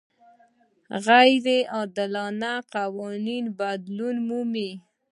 غیر عادلانه قوانین بدلون مومي.